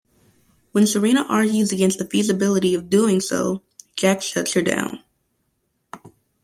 When Sarina argues against the feasibility of doing so, Jack shuts her down.